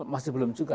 masih belum juga